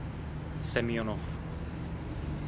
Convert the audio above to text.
Semjonov.